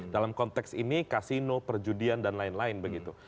dalam konteks ini kasino perjudian dan lain lain begitu